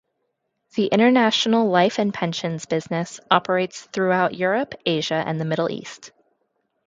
The International Life and Pensions business operates throughout Europe, Asia, and the Middle East.